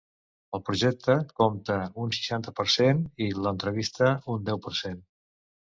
El projecte compta un seixanta per cent i l’entrevista, un deu per cent.